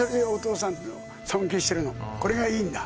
これがいいんだ